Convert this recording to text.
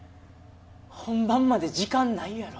本番まで時間ないやろ